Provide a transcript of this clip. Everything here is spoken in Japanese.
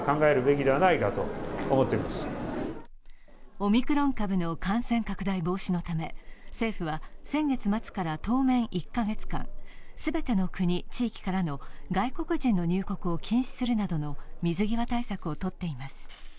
オミクロン株の感染拡大防止のため、政府は先月末から当面１カ月間、全ての国・地域からの外国人の入国を禁止するなどの水際対策をとっています。